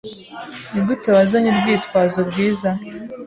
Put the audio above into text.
Nigute wazanye urwitwazo rwiza?